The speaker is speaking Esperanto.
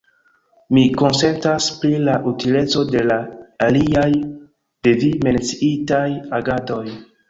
Mi konsentas pri la utileco de la aliaj de vi menciitaj agadoj.